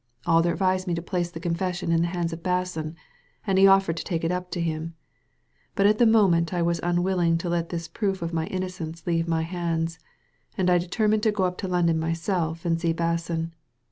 "Alder advised me to place the confession in the hands of Basson, and offered to take it up to him. But at the moment I was unwilling to let this proof of my innocence leave my hands, and I determined to go up to London myself and see Basson.